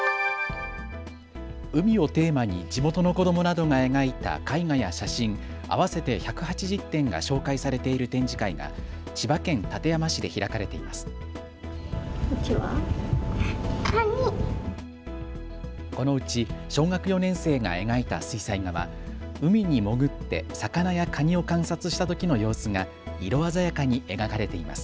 海をテーマに地元の子どもなどが描いた絵画や写真合わせて１８０点が紹介されている展示会が千葉県館山市で開かれています。